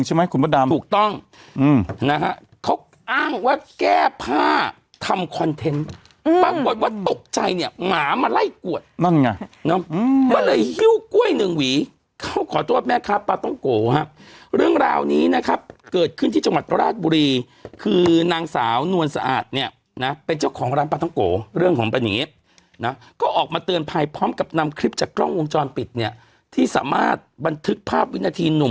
หมามาไล่กวดนั่นไงเนอะอืมก็เลยฮิ้วก้วยหนึ่งหวีเขาขอตัวแม่ครับปาต้องโกครับเรื่องราวนี้นะครับเกิดขึ้นที่จังหวัดพระราชบุรีคือนางสาวนวลสะอาดเนี้ยนะเป็นเจ้าของร้านปาต้องโกเรื่องของปะเนี๊บนะก็ออกมาเตือนภัยพร้อมกับนำคลิปจากกล้องวงจรปิดเนี้ยที่สามารถบันทึกภาพวินาทีหนุ